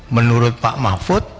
menurut pak mahfud